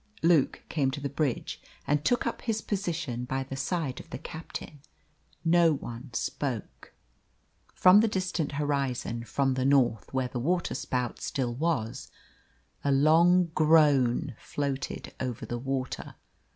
Luke came to the bridge and took up his position by the side of the captain. No one spoke. From the distant horizon from the north where the waterspout still was a long groan floated over the water.